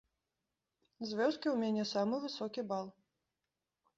З вёскі ў мяне самы высокі бал.